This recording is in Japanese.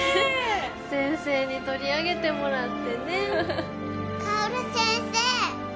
先生に取り上げてもらってね薫先生うん？